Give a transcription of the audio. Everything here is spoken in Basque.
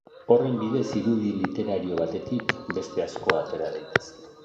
Horren bidez irudi literario batetik beste asko atera daitezke.